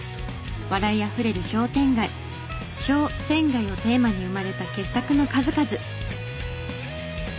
笑いあふれる商店街「笑店街」をテーマに生まれた傑作の数々。